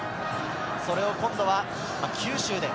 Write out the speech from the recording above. それを今度は九州で。